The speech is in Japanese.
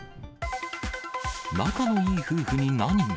仲のいい夫婦に何が？